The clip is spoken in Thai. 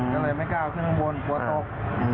ก็เลยไม่กล้าขึ้นข้างบนกลัวตก